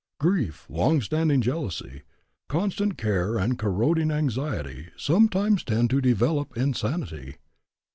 Grief, long standing jealousy, constant care and corroding anxiety sometimes tend to develop insanity.